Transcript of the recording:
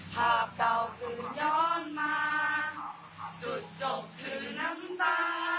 ภาพเก่าคือย้อนมาจุดจบคือน้ำตา